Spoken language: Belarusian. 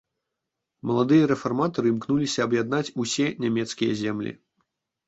Маладыя рэфарматары імкнуліся аб'яднаць усе нямецкія землі.